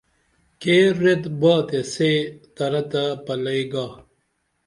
کیر ریت با تے سے ترا تے پلئی گا